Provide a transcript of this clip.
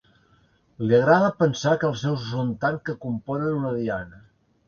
Li agrada pensar que els seus ho són tant que componen una diana.